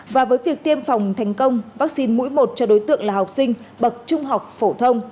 và với việc tiêm phòng thành công vaccine mũi một cho đối tượng là học sinh bậc trung học phổ thông